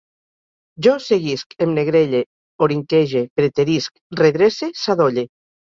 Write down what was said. Jo seguisc, em negrelle, orinquege, preterisc, redrece, sadolle